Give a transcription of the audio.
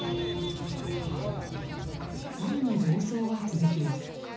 更に暴走は続きます。